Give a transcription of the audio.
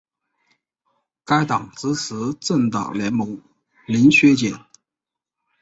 该党支持政党联盟零削减。